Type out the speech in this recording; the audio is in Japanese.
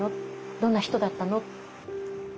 どんな人だったの？